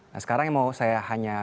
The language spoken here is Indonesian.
nah sekarang yang mau saya hanya